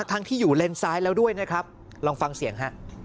ทั้งที่อยู่เลนซ้ายแล้วด้วยนะครับลองฟังเสียงฮะ